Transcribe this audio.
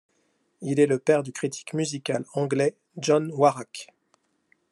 Il est le père du critique musical anglais John Warrack.